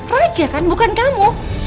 raja kan bukan kamu